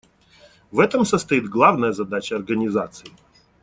В этом состоит главная задача Организации.